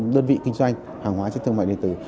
đơn vị kinh doanh hàng hóa trên thương mại điện tử